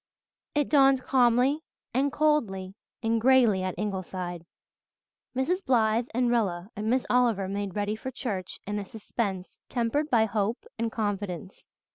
It dawned calmly and coldly and greyly at Ingleside. Mrs. Blythe and Rilla and Miss Oliver made ready for church in a suspense tempered by hope and confidence.